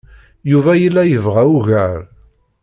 Yuba yella yebɣa ugar.